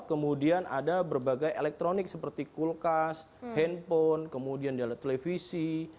kemudian ada berbagai elektronik seperti kulkas handphone kemudian dialog televisi